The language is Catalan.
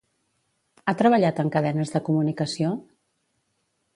Ha treballat en cadenes de comunicació?